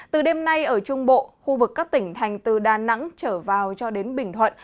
từ đêm nay ở trung bộ khu vực các tỉnh thành từ đà nẵng trở vào cho đến bình thuận